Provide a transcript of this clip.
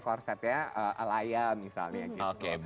korsetnya alaya misalnya gitu oke